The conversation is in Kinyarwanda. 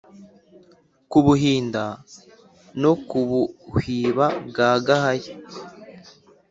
ku buhinda no ku buhwiba bwa gahaya,